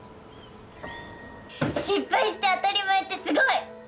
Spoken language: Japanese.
失敗して当たり前ってすごい！